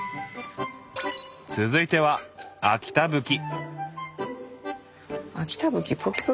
続いては秋田ぶき。